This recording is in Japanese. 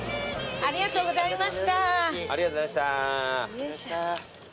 ありがとうございます。